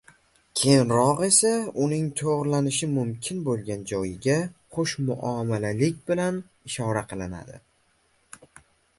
keyinroq esa uning to‘g‘irlanishi mumkin bo‘lgan joyiga xushmuomalalik bilan ishora qilinadi